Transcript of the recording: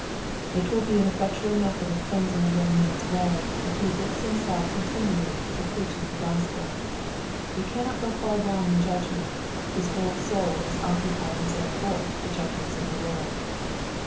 It will be an effectual method of cleansing a young man*s way if he addicts himself continually to preaching the gospel. He cannot go far wrong in judgment whose whole soul is occupied in setting forth the judg ments of the Lord.